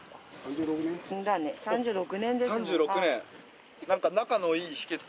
３６年。